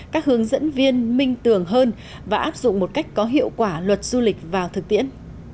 các hướng dẫn viên minh tưởng hơn và áp dụng một cách có hiệu quả luật du lịch vào thực tiễn